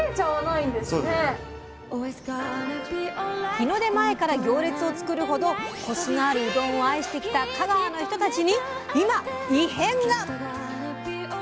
日の出前から行列を作るほどコシのあるうどんを愛してきた香川の人たちに今異変が！